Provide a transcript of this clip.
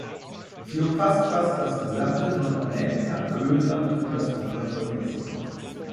Sie umfasst fast das gesamte Nordamerika, Grönland und das Hochland von Mexiko.